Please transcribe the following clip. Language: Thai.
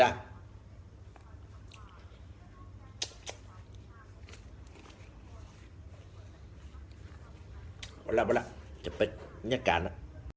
บ๊ายบายบ๊ายบายจะไปนี่แก่น่ะ